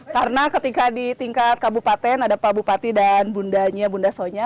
karena ketika di tingkat kabupaten ada pak bupati dan bundanya bunda sonja